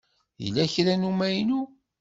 Yella kra n umaynu?